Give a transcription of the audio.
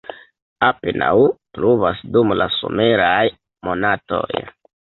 Apenaŭ pluvas dum la someraj monatoj.